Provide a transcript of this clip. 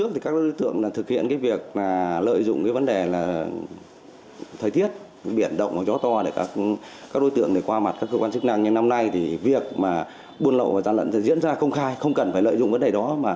trong thời tiết biển động và gió to các đối tượng qua mặt các cơ quan chức năng như năm nay việc buôn lậu và gian lận sẽ diễn ra công khai không cần phải lợi dụng vấn đề đó